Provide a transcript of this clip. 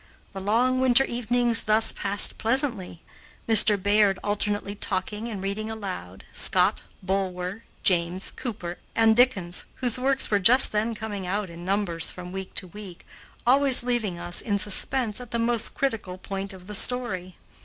The long winter evenings thus passed pleasantly, Mr. Bayard alternately talking and reading aloud Scott, Bulwer, James, Cooper, and Dickens, whose works were just then coming out in numbers from week to week, always leaving us in suspense at the most critical point of the story.